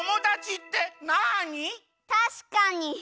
たしかに。